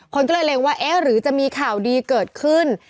คนก็เลยเล็งว่าเอ๊ะหรือจะมีข่าวดีเกิดขึ้น